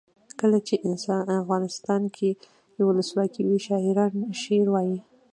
کله چې افغانستان کې ولسواکي وي شاعران شعر وايي.